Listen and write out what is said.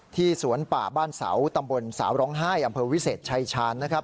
สวนป่าบ้านเสาตำบลสาวร้องไห้อำเภอวิเศษชายชาญนะครับ